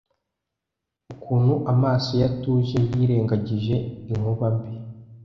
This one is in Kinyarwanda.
ukuntu amaso ye atuje yirengagije inkuba mbi